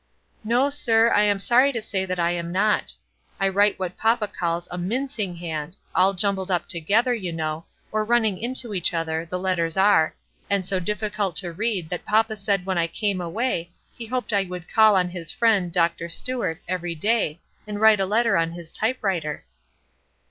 "No, sir; I am sorry to say that I am not. I write what papa calls a mincing hand; all jumbled up together, you know, or running into each other, the letters are, and so difficult to read that papa said when I came away he hoped I would call on his friend, Dr. Stuart, every day, and write a letter on his type writer."